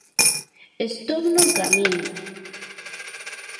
Estou no camiño.